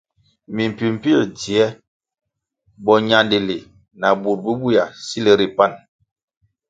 Mi mpimpier dzie bo ñandili na bur bubuéa sil ri pan.